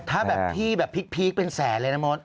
ถ้าพี่พีกเป็นแสนเลยนะม้น